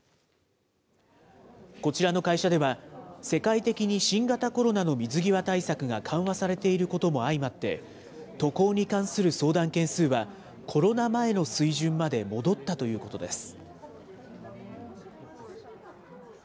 こちらの会社では、世界的に新型コロナの水際対策が緩和されていることも相まって、渡航に関する相談件数は、コロナ前の水準まで戻ったということです。